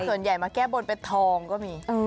ส่วนใหญ่มาแก้บนเป็นทองก็มี